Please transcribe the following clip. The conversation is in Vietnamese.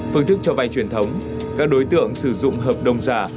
phương thức cho vay truyền thống các đối tượng sử dụng hợp đồng giả